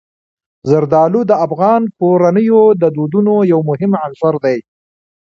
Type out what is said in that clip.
زردالو د افغان کورنیو د دودونو یو مهم عنصر دی.